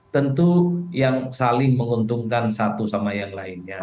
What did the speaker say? tentu yang saling menguntungkan satu sama yang lainnya